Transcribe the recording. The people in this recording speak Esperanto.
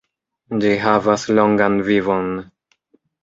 Ĝi havas longan vivon.